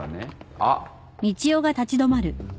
あっ。